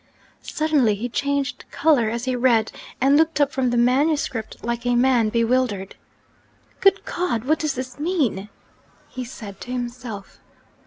Suddenly he changed colour as he read and looked up from the manuscript like a man bewildered. 'Good God! what does this mean?' he said to himself.